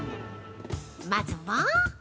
まずは。